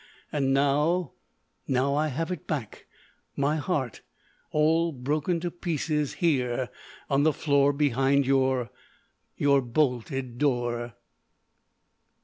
And now—now I have it back—my heart—all broken to pieces—here on the floor behind your—your bolted door."